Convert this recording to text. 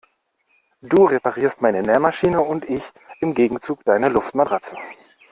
Du reparierst meine Nähmaschine und ich im Gegenzug deine Luftmatratze.